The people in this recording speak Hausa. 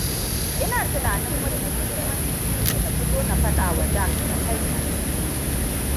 Ina tunanin mafi muhimmanci shi ne na fito na fadawa jack da kaina.